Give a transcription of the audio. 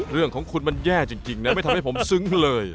เรื่องของคุณมันแย่จริงนะไม่ทำให้ผมซึ้งเลย